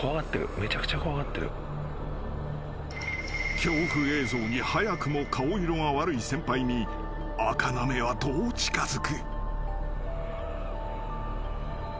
［恐怖映像に早くも顔色が悪い先輩にあかなめはどう近づく？］